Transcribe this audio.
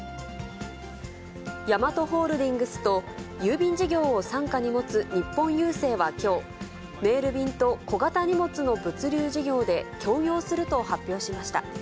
ヤマトホールディングスと郵便事業を傘下に持つ日本郵政はきょう、メール便と小型荷物の物流事業で協業すると発表しました。